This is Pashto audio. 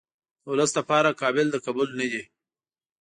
د ولس لپاره قابل د قبول نه دي.